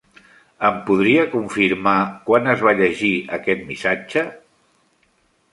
Em podria confirmar quan es va llegir aquest missatge?